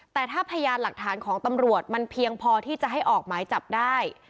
แต่ถ้าพยานหลักฐานของตำรวจมันเพียงพอที่จะให้ออกหมายจับได้